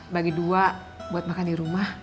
bagi dua buat makan di rumah